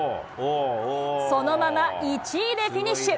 そのまま１位でフィニッシュ。